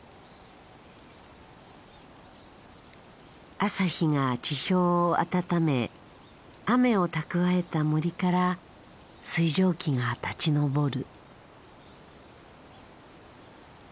朝日が地表を温め雨を蓄えた森から水蒸気が立ち昇る。